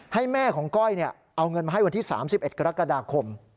ให้แม่ของก้อยเอาเงินมาให้วันที่๓๑กรกฎาคม